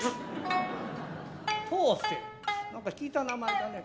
何か聞いた名前だね。